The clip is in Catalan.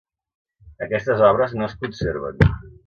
Aquestes obres no es conserven.